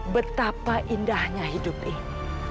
betapa indahnya hidup ini